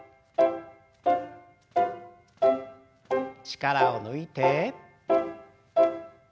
力を抜いて。